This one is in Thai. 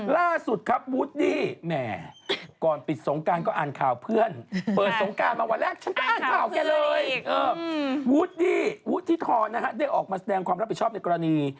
วูดดี้วูดทิศธรณ์ได้ออกมาแสดงความรับผิดชอบในกรณี